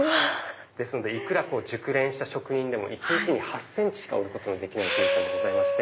ですのでいくら熟練した職人でも一日に８ｃｍしか織ることのできない絨毯。